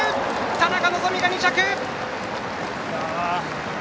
田中希実が２着！